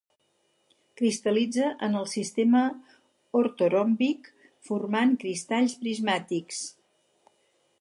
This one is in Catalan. Cristal·litza en el sistema ortoròmbic formant cristalls prismàtics.